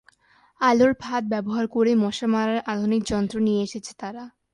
আলোর ফাঁদ ব্যবহার করে মশা মারার আধুনিক যন্ত্র নিয়ে এসেছে তারা।